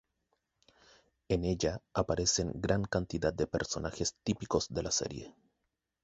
En ella aparecen gran cantidad de personajes típicos de la serie.